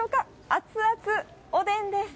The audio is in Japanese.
熱々おでんです。